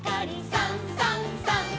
「さんさんさん」